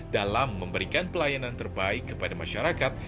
dalam memberikan pelayanan terbaik kepada masyarakat